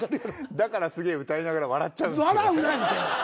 だからすげえ歌いながら笑っちゃうんですよ。